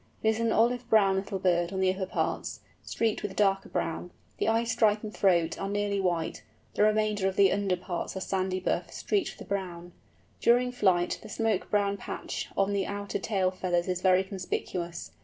It is an olive brown little bird on the upper parts, streaked with darker brown; the eye stripe and throat are nearly white; the remainder of the under parts are sandy buff, streaked with brown. During flight the smoke brown patch on the outer tail feathers is very conspicuous.